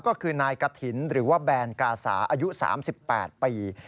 ก็คือนายกฐินหรือว่าแบนกาสาอายุ๓๘ปี